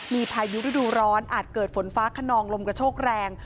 มีพายุฤดูร้อนอาจเกิดฝนฟ้าขนองลมกระโชกแรง